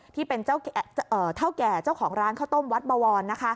ที่เป็นเท่าแก่เจ้าของร้านข้าวต้มวัดบวร